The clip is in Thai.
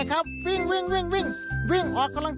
เกิดไม่ทันอ่ะ